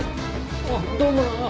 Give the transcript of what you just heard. あっどうもな。